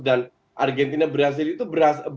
dan argentina berhasil itu berhasil